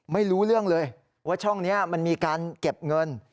ไม่รู้เรื่องเลยว่าช่องนี้มันมีการเก็บเงิน